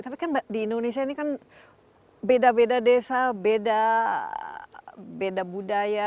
tapi kan di indonesia ini kan beda beda desa beda budaya